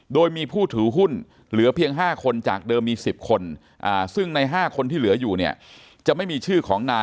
โดยมีผู้ถือหุ้นเหลือเพียง๕คนจากเดิมมี๑๐คน